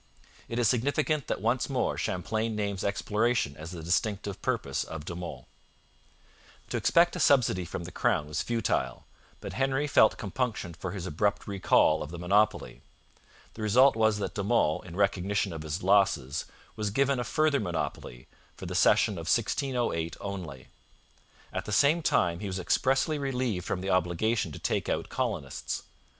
It is significant that once more Champlain names exploration as the distinctive purpose of De Monts. To expect a subsidy from the crown was futile, but Henry felt compunction for his abrupt recall of the monopoly. The result was that De Monts, in recognition of his losses, was given a further monopoly for the season of 1608 only. At the same time, he was expressly relieved from the obligation to take out colonists.